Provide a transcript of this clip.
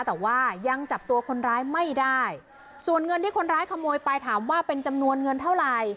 แต่ว่ายังจับตัวคนร้ายไม่ได้ส่วนเงินที่คนร้ายขโมยไปถามว่าเป็นจำนวนเงินเท่าไหร่